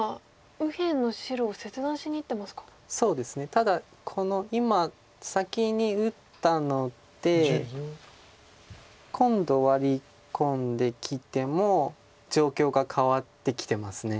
ただこの今先に打ったので今度ワリ込んできても状況が変わってきてます。